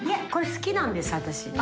好きなんですね？